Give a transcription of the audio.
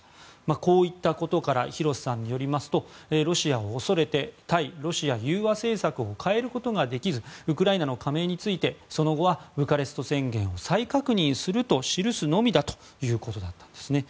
こういったことから広瀬さんによりますとロシアを恐れて対ロシア融和政策を変えることができずウクライナの加盟についてその後はブカレスト宣言を再確認すると記すのみだということだったんです。